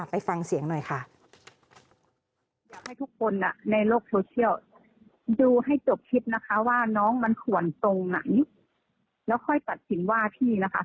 ไปฟังเสียงหน่อยค่ะ